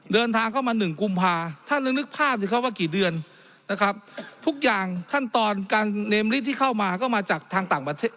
เดินทางเข้ามาหนึ่งกุมภาท่านละนึกภาพสิครับว่ากี่เดือนนะครับทุกอย่างขั้นตอนการเนมลิตรที่เข้ามาก็มาจากทางต่างประเทศ